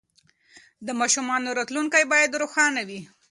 د ماشومانو راتلونکې باید روښانه وي.